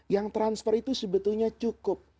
yang transfer itu sebetulnya cukup